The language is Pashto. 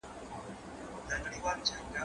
زه مخکي ليک لوستی و،